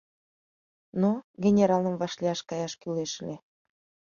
Но генералым вашлияш каяш кӱлеш ыле.